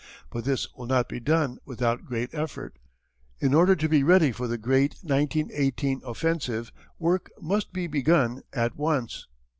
But this will not be done without great effort. In order to be ready for the great 1918 offensive work must be begun at once."